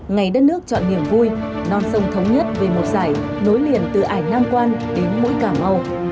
ngày đất nước chọn niềm vui non sông thống nhất về một giải nối liền từ ảnh nam quan đến mũi cảm âu